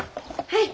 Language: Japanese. はい。